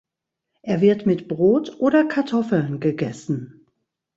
Er wird mit Brot oder Kartoffeln gegessen.